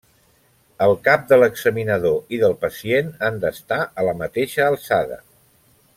El cap de l'examinador i del pacient han d'estar a la mateixa alçada.